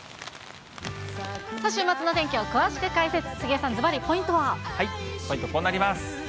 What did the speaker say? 週末の天気を詳しく解説、ポイント、こうなります。